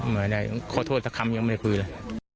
ไม่ได้ขอโทษสักคำยังไม่คุยเลย